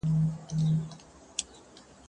زه اوږده وخت لاس پرېولم وم!.